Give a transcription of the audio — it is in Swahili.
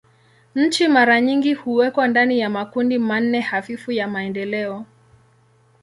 Nchi mara nyingi huwekwa ndani ya makundi manne hafifu ya maendeleo.